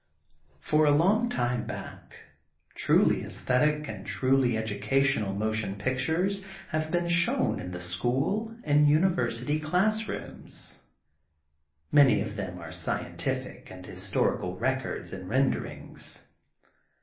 For a long time back truly aesthetic and truly educational motion pictures have been shown in the school and University class rooms. Many of them are scientific and his torical records and renderings.